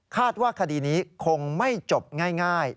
ว่าคดีนี้คงไม่จบง่าย